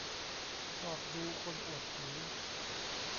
ชอบดู "คนอวดผี"